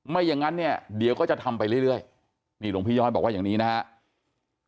ไม่อย่างนั้นเนี่ยเดี๋ยวก็จะทำไปเรื่อยนี่หลวงพี่ย่อยบอกว่าอย่างนี้นะครับ